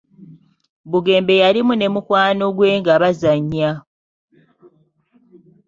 Bugembe yalimu ne mukwano gwe nga bazannya.